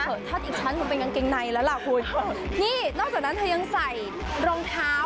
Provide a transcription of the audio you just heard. ทอดอีกชั้นมันเป็นกางเกงในแล้วล่ะคุณนี่นอกจากนั้นเธอยังใส่รองเท้า